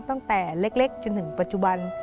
ตั้งแต่เล็กจนถึงปัจจุบัน